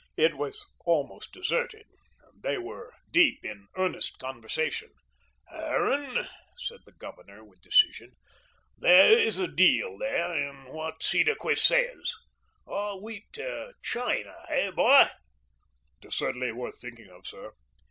It was almost deserted. They were deep in earnest conversation. "Harran," said the Governor, with decision, "there is a deal, there, in what Cedarquist says. Our wheat to China, hey, boy?" "It is certainly worth thinking of, sir."